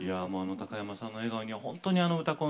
高山さんの笑顔には本当に「うたコン」